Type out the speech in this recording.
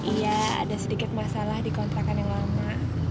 iya ada sedikit masalah di kontrakan yang lama